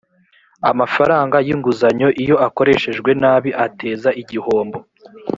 amafaranga y ‘inguzanyo iyo akoreshejwe nabi ateza igihombo.